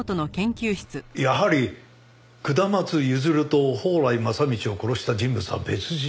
やはり下松譲と宝来正道を殺した人物は別人だ。